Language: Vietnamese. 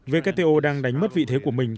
wto đang đánh mất vị thế của mình